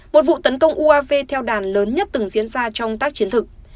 một vụ tấn công uav theo đàn lớn nhất từng diễn ra trong tác chiến thực